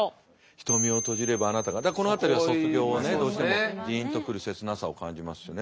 「瞳を閉じればあなたが」だからこの辺りは卒業のねどうしてもジンと来る切なさを感じますしね。